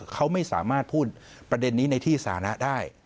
เขาไม่สามารถพูดประเด็นนี้ในที่สานะได้